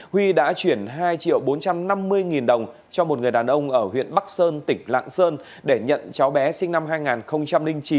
huy đã chuyển hai triệu bốn trăm năm mươi nghìn đồng cho một người đàn ông ở huyện bắc sơn tỉnh lạng sơn để nhận cháu bé sinh năm hai nghìn chín